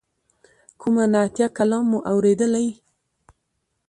کوم نعتیه کلام مو اوریدلی.